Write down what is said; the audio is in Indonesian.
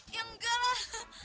ya enggak lah